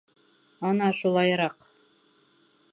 Ана шулайыраҡ.